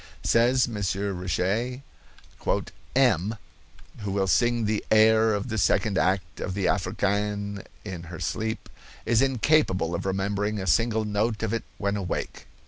Says M. Richet: "M—— , who will sing the air of the second act of the Africaine in her sleep, is incapable of remembering a single note of it when awake."